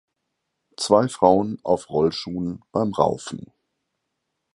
Zwei Frauen auf Rollschuhen beim Raufen.